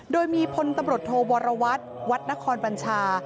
โดยมีพลตำรวจโทวรวัตรวัดนครบัญชา